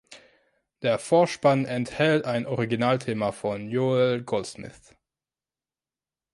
Der Vorspann enthält ein Originalthema von Joel Goldsmith.